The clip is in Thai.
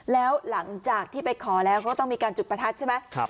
แล้วหลังจากที่ไปขอแล้วก็ต้องมีการจุดประทัดใช่ไหม